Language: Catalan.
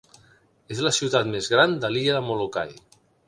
És la ciutat més gran de l'illa de Molokai.